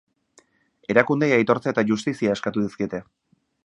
Erakundeei aitortza eta justizia eskatu dizkiete.